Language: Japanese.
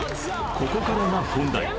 ここからが本題！